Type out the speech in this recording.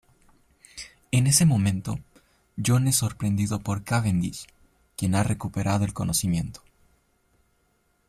En ese momento, John es sorprendido por Cavendish, quien ha recuperado el conocimiento.